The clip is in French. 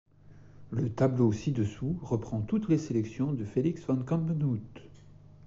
Le tableau ci-dessous reprend toutes les sélections de Félix Van Campenhout.